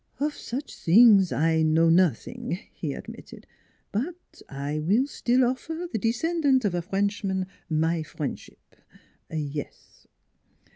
" Of such things I know nothing," he admitted. " But I will still offer the descendant of a French man my friendship yes."